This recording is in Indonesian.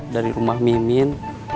dari rumah mimin